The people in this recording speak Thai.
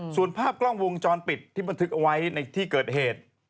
สูญภาพกล้องวงจรปิดที่มันถึงไว้ในที่เกิดเหตุ